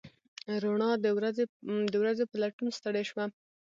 روڼا د ورځو په لټون ستړې شوه